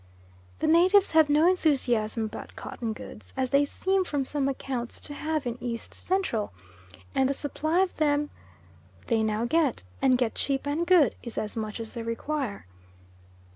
The natives have no enthusiasm about cotton goods, as they seem from some accounts to have in East Central, and the supply of them they now get, and get cheap and good, is as much as they require.